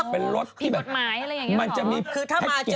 เป็นรถที่แบบมันจะมีโอ้โฮผิดกฎหมายอะไรอย่างนี้หรอ